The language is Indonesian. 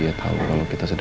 iya bukan semuanya sama